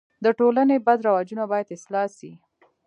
د ټولني بد رواجونه باید اصلاح سي.